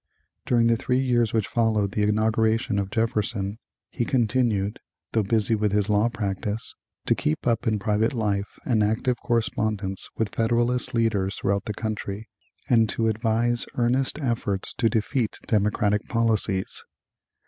During the three years which followed the inauguration of Jefferson, he continued, though busy with his law practice, to keep up in private life an active correspondence with Federalist leaders throughout the country, and to advise earnest efforts to defeat Democratic policies.